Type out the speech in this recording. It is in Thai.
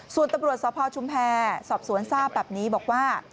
ส่วนตำรวจสพชุมแพรสอบสวนทราบแบบนี้บอกว่า